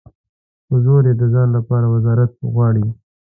په زور یې د ځان لپاره وزارت غواړي.